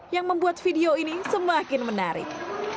yang membuat video ini semakin menarik